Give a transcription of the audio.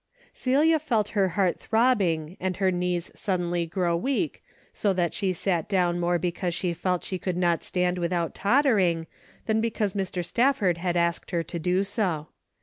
Celia felt her heart throbbing and her knees suddenly grew weak, so that she sat down more because she felt she could not stand without tottering than because Mr. Stafford had asked her to do so.